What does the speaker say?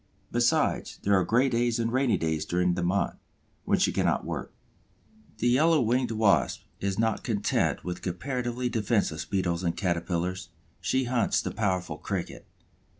Besides, there are gray days and rainy days during the month, when she cannot work. The Yellow winged Wasp is not content with comparatively defenseless Beetles and Caterpillars; she hunts the powerful Cricket.